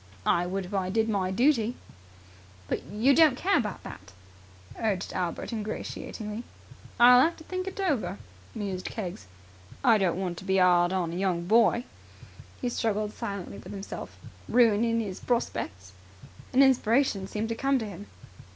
"I would if I did my duty." "But you don't care about that," urged Albert ingratiatingly. "I'll have to think it over," mused Keggs. "I don't want to be 'ard on a young boy." He struggled silently with himself. "Ruinin' 'is prospecks!" An inspiration seemed to come to him.